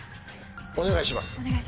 お願いします。